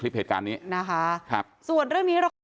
พี่ก็ต่อยพ่อผม